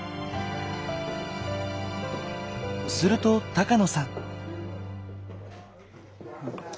すると高野さん。